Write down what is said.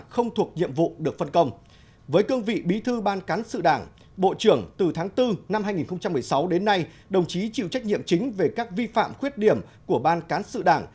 không thuộc nhiệm vụ được phân công với cương vị bí thư ban cán sự đảng bộ trưởng từ tháng bốn năm hai nghìn một mươi sáu đến nay đồng chí chịu trách nhiệm chính về các vi phạm khuyết điểm của ban cán sự đảng